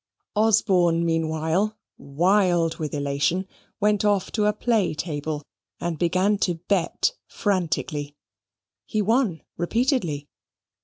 Osborne meanwhile, wild with elation, went off to a play table, and began to bet frantically. He won repeatedly.